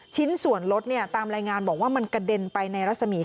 ชิ้นส่วนรถเนี่ยตามรายงานบอกว่ามันกระเด็นไปในรัศมี